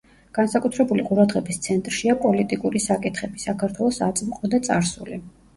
განსაკუთრებული ყურადღების ცენტრშია პოლიტიკური საკითხები, საქართველოს აწმყო და წარსული.